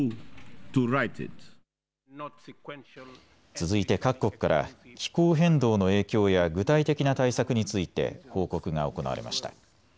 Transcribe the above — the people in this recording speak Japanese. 続いて各国から気候変動の影響や具体的な対策について報告が行われました。